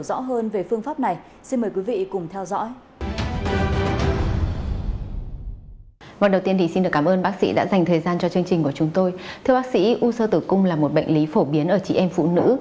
thưa bác sĩ u sơ tử cung là một bệnh lý phổ biến ở chị em phụ nữ